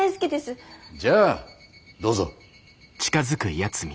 じゃあどうぞ。